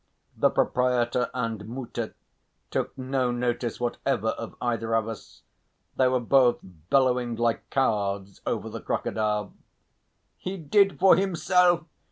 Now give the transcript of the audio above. The proprietor and Mutter took no notice whatever of either of us; they were both bellowing like calves over the crocodile. "He did for himself!